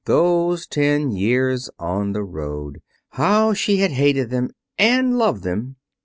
Those ten years on the road! How she had hated them and loved them.